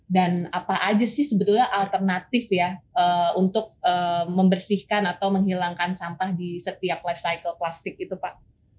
dan apa aja sih sebetulnya alternatif ya untuk membersihkan atau menghilangkan sampah di setiap life cycle plastik itu pak